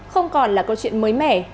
không còn là câu chuyện mới mẻ